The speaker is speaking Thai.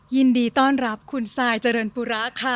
ยินดีต้อนรับคุณซายเจริญปุระค่ะ